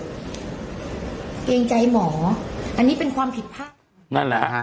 เกรงใจหมออันนี้เป็นความผิดพลาดนั่นแหละฮะ